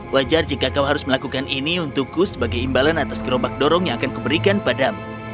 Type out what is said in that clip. wajar jika kau harus melakukan ini untukku sebagai imbalan atas gerobak dorong yang akan kuberikan padamu